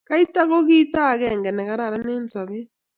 Kaita ko kito akenge ne kararan eng sobee.